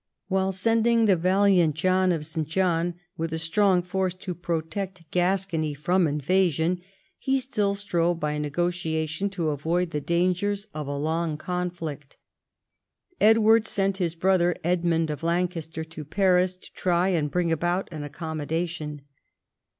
While sending the valiant John of Saint John with a strong force to protect Gascony from invasion, he still strove by negotiation to avoid the dangers of a long conflict. Edward sent his brother Edmund of Lancaster to Paris to try and bring about an accommodation.